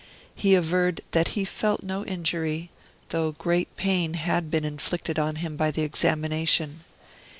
He averred that he felt no injury, though great pain had been inflicted on him by the examination.